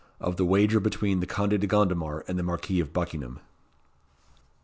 Of the Wager between the Conde de Gondomar and the Marquis of Buckingham.